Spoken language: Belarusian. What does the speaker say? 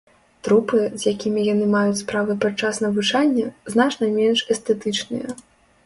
Трупы, з якімі яны маюць справы падчас навучання, значна менш эстэтычныя.